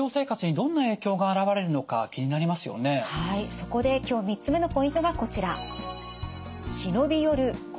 そこで今日３つ目のポイントがこちら。